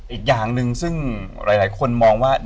อีกอย่างหนึ่งซึ่งหลายคนมองว่า